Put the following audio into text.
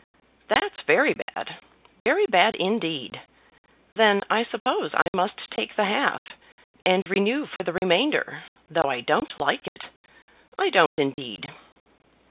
"That's very bad; very bad indeed. Then I suppose I must take the half, and renew for the remainder, though I don't like it; I don't indeed."